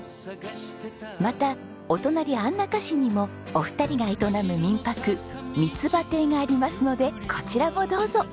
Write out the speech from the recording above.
またお隣安中市にもお二人が営む民泊みつ葉邸がありますのでこちらもどうぞ。